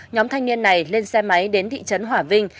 nhóm thanh niên này lên xe máy đến thị trấn hỏa vinh